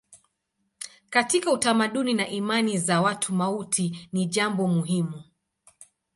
Katika utamaduni na imani za watu mauti ni jambo muhimu.